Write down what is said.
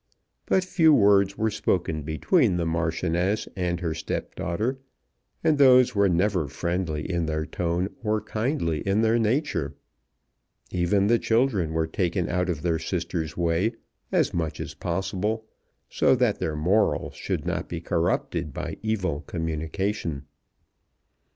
But few words were spoken between the Marchioness and her stepdaughter, and those were never friendly in their tone or kindly in their nature. Even the children were taken out of their sister's way as much as possible, so that their morals should not be corrupted by evil communication.